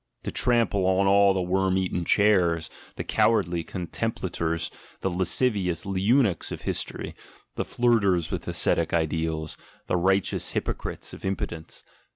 To trample on all the worm eaten "chairs," the cowardly contemplators, the lascivious eunuchs of history, the flirters with ascetic ideals, the righteous hypocrites of impotence!